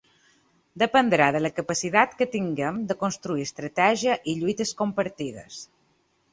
Dependrà de la capacitat que tinguem de construir estratègia i lluites compartides.